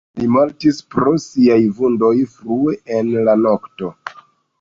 Li mortis pro siaj vundoj frue en la nokto.